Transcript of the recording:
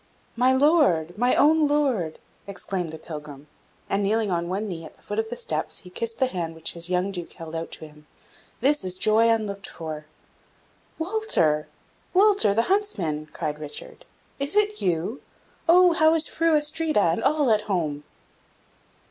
"My Lord! my own Lord!" exclaimed the pilgrim, and, kneeling on one knee at the foot of the steps, he kissed the hand which his young Duke held out to him "This is joy unlooked for!" "Walter! Walter, the huntsman!" cried Richard. "Is it you? Oh, how is Fru Astrida, and all at home?"